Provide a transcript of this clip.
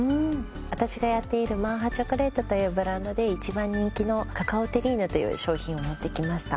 私がやっているＭＡＡＨＡＣＨＯＣＯＬＡＴＥというブランドで一番人気のカカオテリーヌという商品を持ってきました。